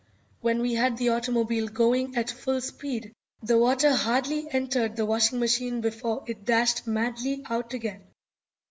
When we had the automobile going at full speed the water hardly entered the washing machine before it dashed madly out again.